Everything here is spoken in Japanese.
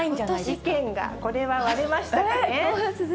意見がこれは割れましたかね。